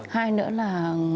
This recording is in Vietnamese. hai nữa là